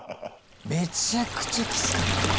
めちゃくちゃきつかったね。